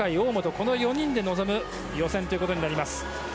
この４人で臨む予選ということになります。